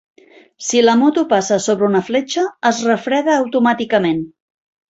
Si la moto passa sobre una fletxa, es refreda automàticament.